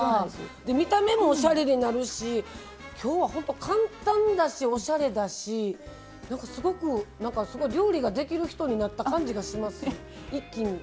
見た目もおしゃれになるし今日は本当簡単だしおしゃれだしすごく料理ができる人になった感じがします一気に。